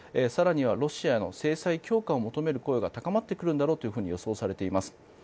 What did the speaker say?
更にはロシアの制裁強化を求める声が高まってくるんだろうと予想されています。